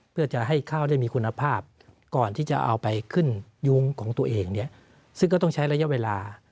เพื่อจะให้ข้าวได้มีคุณภาพก่อนที่จะเอาไปขึ้นยุ้งของตัวเองเนี่ยซึ่งก็ต้องใช้ระยะเวลา